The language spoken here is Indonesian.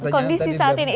kondisi saat ini